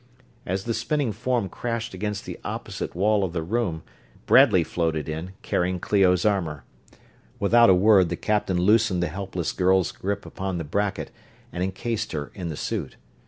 As the spinning form crashed against the opposite wall of the room, Bradley floated in, carrying Clio's armor. Without a word the captain loosened the helpless girl's grip upon the bracket and encased her in the suit.